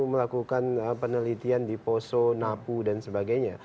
melakukan penelitian di poso napu dan sebagainya